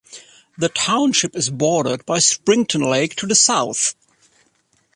The township is bordered by Springton Lake to the south.